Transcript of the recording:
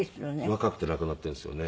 若くて亡くなっているんですよね。